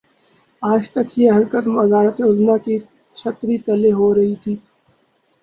آج تک یہ حرکت وزارت عظمی کی چھتری تلے ہو رہی تھی۔